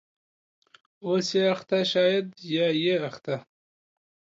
.اوسې اخته شاید یا یې اخته